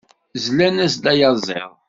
Zlan-as-d ayaziḍ.